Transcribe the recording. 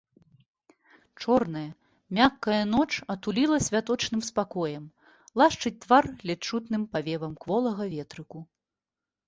Чорная, мяккая ноч атуліла святочным спакоем, лашчыць твар ледзь чутным павевам кволага ветрыку.